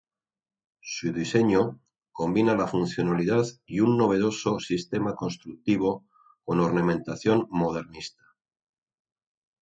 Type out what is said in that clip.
Su diseño combina la funcionalidad y un novedoso sistema constructivo con ornamentación modernista.